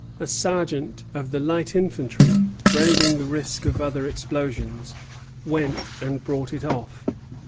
A sergeant of the light infantry, braving the risk of other explosions, went and brought it off.